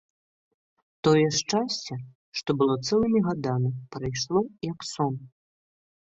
Тое шчасце, што было цэлымі гадамі, прайшло, як сон.